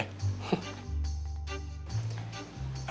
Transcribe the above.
masih ada yang mau ngomong